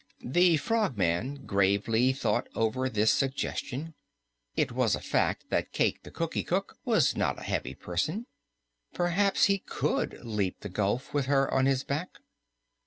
The Frogman gravely thought over this suggestion. It was a fact that Cayke the Cookie Cook was not a heavy person. Perhaps he could leap the gulf with her on his back.